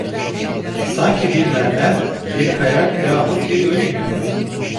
Sanki bir mermer, bir kaya yahut bir ölüydü.